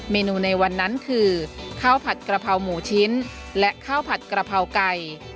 เมนูในวันนั้นคือข้าวผัดกระเพราหมูชิ้นและข้าวผัดกระเพราไก่